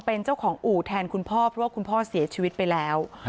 เป็นเจ้าของอู่แทนคุณพ่อเพราะว่าคุณพ่อเสียชีวิตไปแล้ว